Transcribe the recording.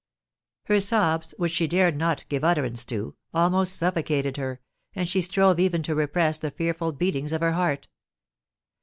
Her sobs, which she dared not give utterance to, almost suffocated her, and she strove even to repress the fearful beatings of her heart.